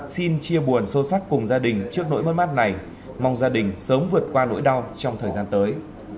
xin chia buồn sâu sắc cùng gia đình trước nỗi mất mát này mong gia đình sớm vượt qua nỗi đau trong thời gian tới